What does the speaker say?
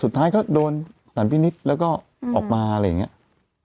สุดท้ายก็โดนสันพินิษฐ์แล้วก็ออกมาอะไรอย่างนี้